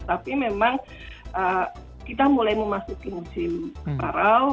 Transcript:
tapi memang kita mulai memasuki musim kemarau